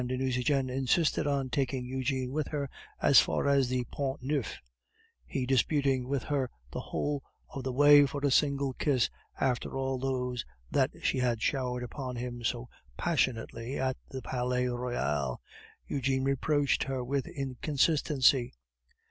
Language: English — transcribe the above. de Nucingen insisted on taking Eugene with her as far as the Pont Neuf, he disputing with her the whole of the way for a single kiss after all those that she had showered upon him so passionately at the Palais Royal; Eugene reproached her with inconsistency.